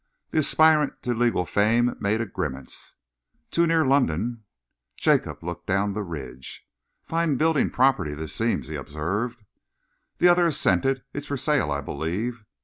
The aspirant to legal fame made a grimace. "Too near London." Jacob looked down the ridge. "Fine building property this seems," he observed. The other assented. "It's for sale, I believe."